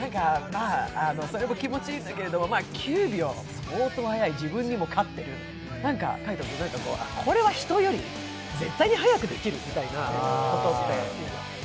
それも気持ちいいんだけど９秒、相当速い、自分にも勝ってる、海音君、なんか、海音君、これは人より絶対に速くできるみたいなことって？